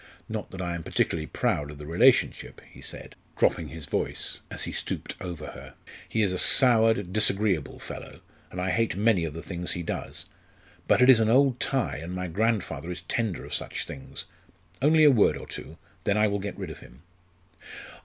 Not that I am particularly proud of the relationship," he said, dropping his voice as he stooped over her. "He is a soured, disagreeable fellow, and I hate many of the things he does. But it is an old tie, and my grandfather is tender of such things. Only a word or two; then I will get rid of him."